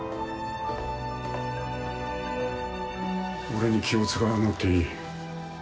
俺に気を使わなくていい。